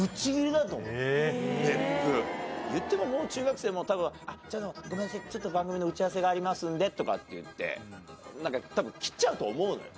言ってももう中学生も多分「ごめんなさいちょっと番組の打ち合わせがありますんで」とか言って多分切っちゃうと思うのよ。